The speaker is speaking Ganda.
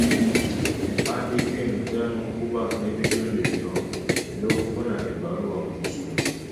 Empandiika eno etera okuba n'ebigendererwa by'okufuna ebbaluwa mu kusoma.